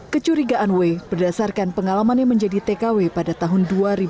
kecurigaan w berdasarkan pengalaman yang menjadi tkw pada tahun dua ribu lima